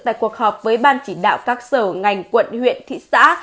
tại cuộc họp với ban chỉ đạo các sở ngành quận huyện thị xã